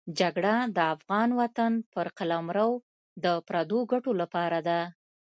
جګړه د افغان وطن پر قلمرو د پردو ګټو لپاره ده.